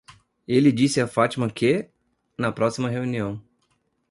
Ele disse a Fátima que? na próxima reunião.